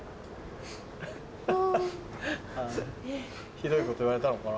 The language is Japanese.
ひどいこと言われたのかな？